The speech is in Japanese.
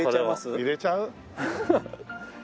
入れちゃう？